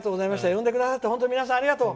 呼んでくださって本当に皆さん、ありがとう。